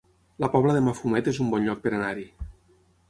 La Pobla de Mafumet es un bon lloc per anar-hi